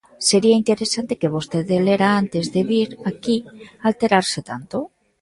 Sería interesante que vostede lera antes de vir aquí alterarse tanto.